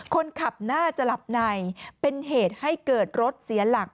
คนขับน่าจะหลับในเป็นเหตุให้เกิดรถเสียหลัก